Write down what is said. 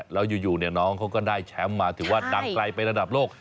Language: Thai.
แล้วอยู่น้องเขาก็ได้แชมป์มาถือว่าดังไกลไประดับโลก